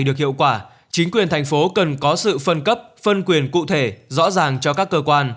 được hiệu quả chính quyền thành phố cần có sự phân cấp phân quyền cụ thể rõ ràng cho các cơ quan